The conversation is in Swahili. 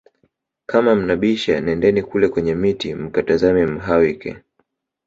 Kama mnabisha nendeni kule kwenye miti mkamtazame Mhalwike